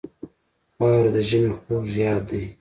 • واوره د ژمي خوږ یاد دی.